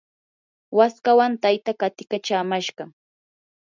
waskawan taytaa qatikachamashqa.